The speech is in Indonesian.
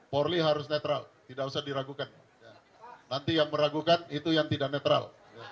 polri harus netral tidak usah diragukan nanti yang meragukan itu yang tidak netral